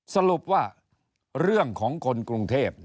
สรุปว่าเรื่องของคนกรุงเทพ